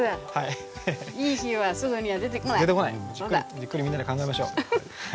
じっくりみんなで考えましょう。